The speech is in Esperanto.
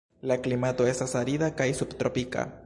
La klimato estas arida kaj subtropika.